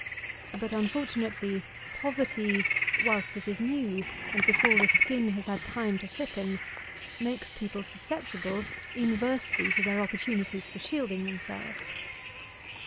But unfortunately, poverty, whilst it is new, and before the skin has had time to thicken, makes people susceptible inversely to their opportunities for shielding themselves.